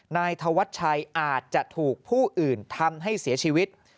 นายธวัชชัยอาจจะถูกผู้อื่นทำให้เสียชีวิต